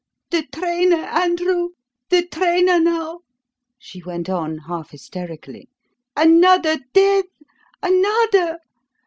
"The trainer, Andrew, the trainer now!" she went on half hysterically. "Another death another!